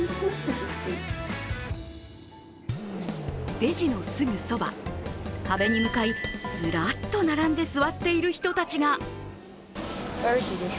レジのすぐそば、壁に向かいずらっと並んで座っている人たちが。